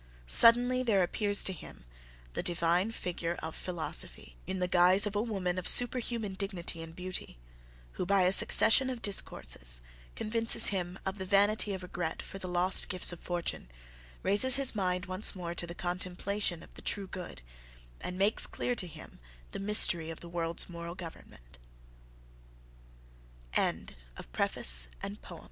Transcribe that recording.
Suddenly there appears to him the Divine figure of Philosophy, in the guise of a woman of superhuman dignity and beauty, who by a succession of discourses convinces him of the vanity of regret for the lost gifts of fortune, raises his mind once more to the contemplation of the true good, and makes clear to him the mystery of the world's moral government. INDEX OF VERSE INTERLUDES.